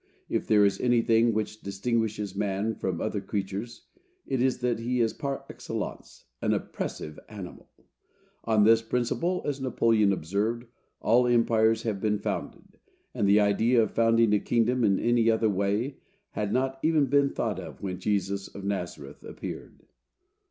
If there is anything which distinguishes man from other creatures, it is that he is par excellence an oppressive animal. On this principle, as Napoleon observed, all empires have been founded; and the idea of founding a kingdom in any other way had not even been thought of when Jesus of Nazareth appeared.